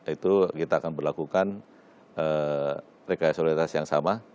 itu kita akan berlakukan rekayasualitas yang sama